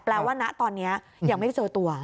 ว่าณตอนนี้ยังไม่เจอตัว